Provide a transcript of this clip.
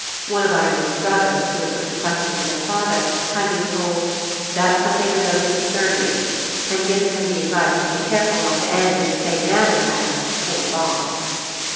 One of Irene's brothers, who had put the question to their father, had been told: "That's something that doesn't concern you," and given him the advice to be careful not to end in the same manner as "poor Bob."